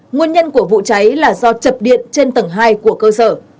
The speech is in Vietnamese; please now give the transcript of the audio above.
nguyên nhân của vụ cháy là do chập điện trên tầng hai của cơ sở